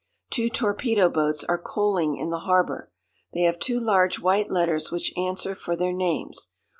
"Two torpedo boats are coaling in the harbor. They have two large white letters which answer for their names.